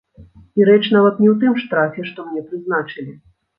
І рэч нават не ў тым штрафе, што мне прызначылі.